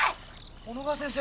小野川先生。